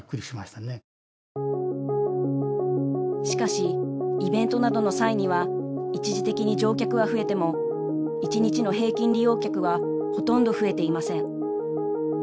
しかしイベントなどの際には一時的に乗客は増えても一日の平均利用客はほとんど増えていません。